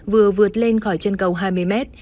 vừa vượt lên khỏi chân cầu hai mươi mét